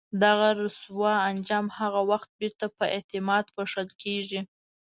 دغه رسوا انجام هغه وخت بیرته په اعتماد پوښل کېږي.